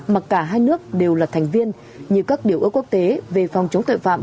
mà cả hai nước đều là thành viên như các điều ước quốc tế về phòng chống tội phạm